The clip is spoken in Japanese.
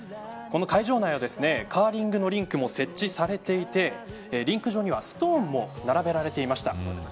この会場内をカーリングのリンクも設置されていてリンク上にはストーンも並べられていました。